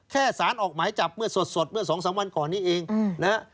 สารออกหมายจับเมื่อสดเมื่อสองสามวันก่อนนี้เองนะฮะ